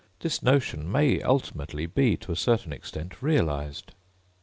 This notion may ultimately be, to a certain extent, realised.